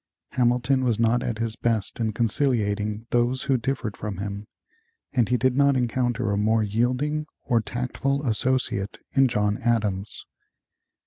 Hamilton was not at his best in conciliating those who differed from him, and he did not encounter a more yielding or tactful associate in John Adams.